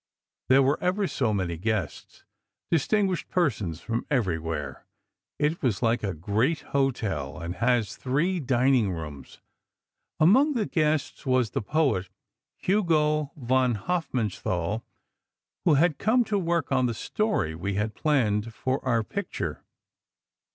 There were ever so many guests, distinguished persons from everywhere. It is like a great hotel, and has three dining rooms. Among the guests, was the poet Hugo von Hofmannsthal, who had come to work on the story we had planned for our picture.